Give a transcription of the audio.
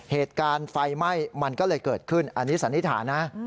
เหตุการณ์ไฟไหม้มันก็เลยเกิดขึ้นอันนี้สันนิษฐานนะ